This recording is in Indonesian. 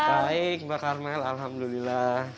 baik mbak karmel alhamdulillah